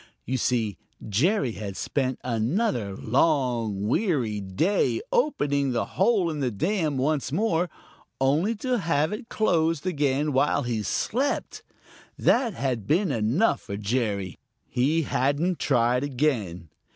You see Jerry had spent another long, weary day opening the hole in the dam once more, only to have it closed again while he slept. That had been enough for Jerry. He hadn't tried again.